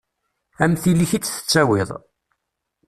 Am tili-k i tt-tettawiḍ.